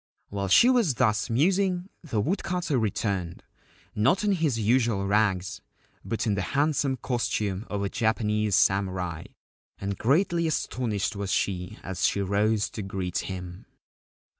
While she was thus musing, the woodcutter returned, not in his usual rags, but in the handsome costume of a Japanese samurai, and greatly astonished was she as she rose to greet him.